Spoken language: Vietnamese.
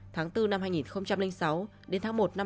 tháng bốn năm hai nghìn sáu đến tháng một năm hai nghìn bảy